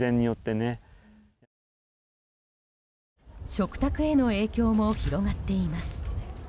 食卓への影響も広がっています。